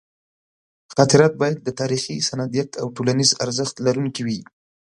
خاطرات باید د تاریخي سندیت او ټولنیز ارزښت لرونکي وي.